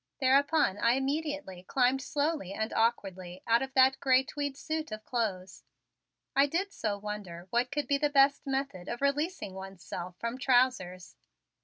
Thereupon I immediately climbed slowly and awkwardly out of that gray tweed suit of clothes. I did so wonder what could be the best method of releasing one's self from trousers.